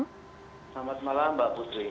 selamat malam mbak putri